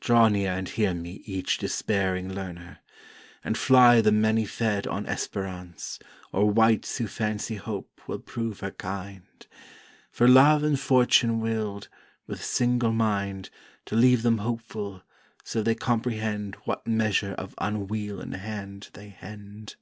Draw near and hear me each despairing Learner! And fly the many fed on Esperance Or wights who fancy Hope will prove her kind; For Love and Fortune willed, with single mind, To leave them hopeful, so they comprehend What measure of unweal in hand they hend.